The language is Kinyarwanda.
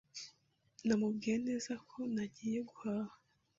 Namubwiye neza ko ntagiye guhaha.